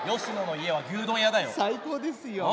最高ですよ。